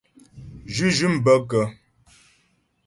Zhʉ́zhʉ̂m bə́ kə́ ?